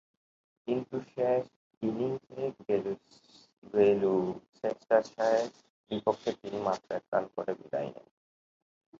কিন্তু শেষ ইনিংসে গ্লুচেস্টারশায়ারের বিপক্ষে তিনি মাত্র এক রান করে বিদায় নেন।